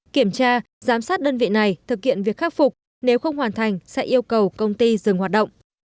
kiểm tra giám sát đơn vị này thực hiện việc khắc phục nếu không hoàn thành sẽ yêu cầu công ty dừng hoạt động